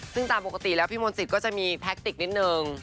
ซึ่งตามปกติแล้วพี่มนต์สิทธิก็จะมีแท็กติกนิดนึง